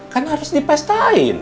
kan harus dipestain